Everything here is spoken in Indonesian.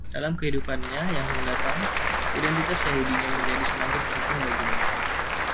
Dalam kehidupannya yang mendatang, identitas Yahudinya menjadi semakin penting baginya.